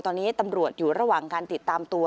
ตอนนี้ตำรวจอยู่ระหว่างการติดตามตัว